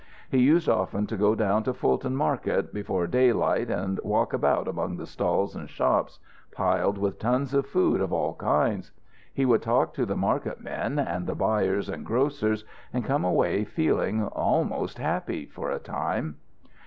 He used often to go down to Fulton Market before daylight and walk about among the stalls and shops, piled with tons of food of all kinds. He would talk to the marketmen, and the buyers and grocers, and come away feeling almost happy for a time.